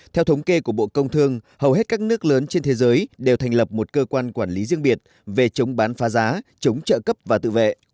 theo thống kê của bộ công thương hầu hết các nước lớn trên thế giới đều thành lập một cơ quan quản lý riêng biệt về chống bán phá giá chống trợ cấp và tự vệ